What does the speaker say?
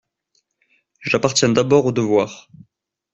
J'appartiens d'abord au devoir.